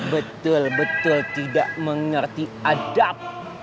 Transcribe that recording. betul betul tidak mengerti adab